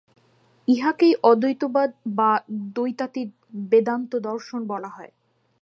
ইহাকেই অদ্বৈতবাদ বা দ্বৈতাতীত বেদান্তদর্শন বলা হয়।